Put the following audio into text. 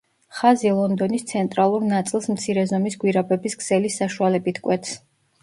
ხაზი ლონდონის ცენტრალურ ნაწილს მცირე ზომის გვირაბების ქსელის საშუალებით კვეთს.